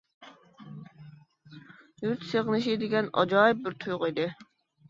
يۇرت سېغىنىشى دېگەن ئاجايىپ بىر تۇيغۇ ئىدى.